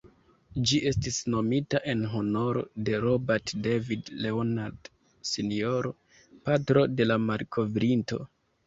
Ĝi estis nomita en honoro de "Robert David Leonard Sr.", patro de la malkovrinto.